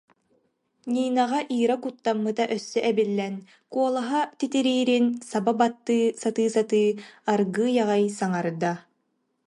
Нинаҕа Ира куттаммыта өссө эбиллэн, куолаһа титириирин саба баттыы сатыы-сатыы аргыый аҕай саҥарда